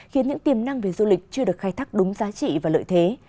khiến những tiềm năng về du lịch chưa được khai thác đúng giá trị và lợi thế